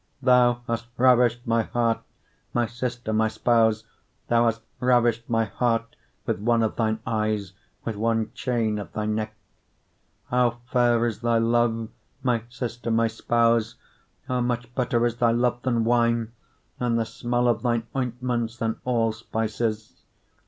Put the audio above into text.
4:9 Thou hast ravished my heart, my sister, my spouse; thou hast ravished my heart with one of thine eyes, with one chain of thy neck. 4:10 How fair is thy love, my sister, my spouse! how much better is thy love than wine! and the smell of thine ointments than all spices!